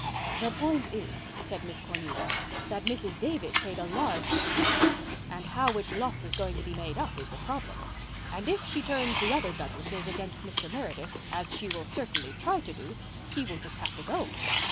"The point is," said Miss Cornelia, "that Mrs. Davis paid a large subscription, and how its loss is going to be made up is a problem. And if she turns the other Douglases against Mr. Meredith, as she will certainly try to do, he will just have to go."